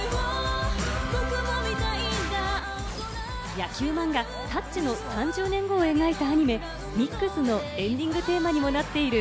野球漫画『タッチ』の３０年後を描いたアニメ『ＭＩＸ』のエンディングテーマにもなっている